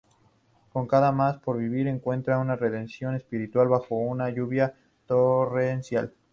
Con nada más por vivir, encuentra una redención espiritual bajo una lluvia torrencial.